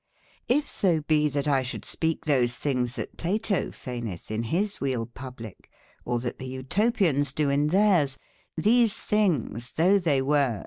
j^If so be that X should speake those thinges thatplatofaynethein his weale publique, or that the Qtopians doe in TThe Oto theires, these thinges thoughe they were